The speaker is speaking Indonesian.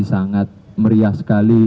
sangat meriah sekali